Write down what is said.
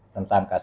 tentang hal ini